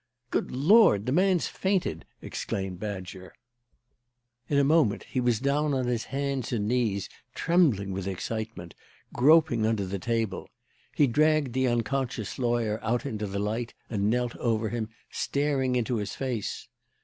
"Good Lord! The man's fainted!" exclaimed Badger. In a moment he was down on his hands and knees, trembling with excitement, groping under the table. He dragged the unconscious lawyer out into the light and knelt over him, staring into his face.